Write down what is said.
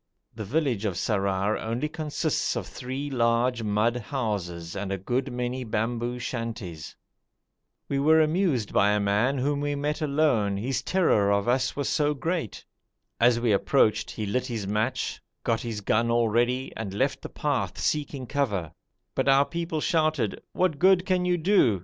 The village of Sarrar only consists of three large mud houses and a good many bamboo shanties. We were amused by a man whom we met alone, his terror of us was so great. As we approached he lit his match, got his gun all ready, and left the path seeking cover, but our people shouted: 'What good can you do?